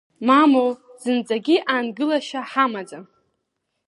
Мамоу, зынӡагьы аангылашьа ҳамаӡам!